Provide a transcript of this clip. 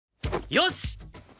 よし！